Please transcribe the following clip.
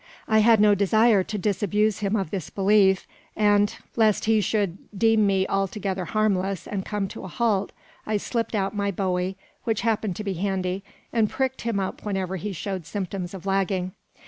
I had no desire to disabuse him of this belief, and, lest he should deem me altogether harmless, and come to a halt, I slipped out my bowie, which happened to be handy, and pricked him up whenever he showed symptoms of lagging.